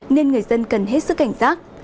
nên người dân cần hết sức cảnh giác